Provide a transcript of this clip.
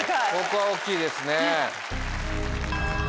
ここは大っきいですね。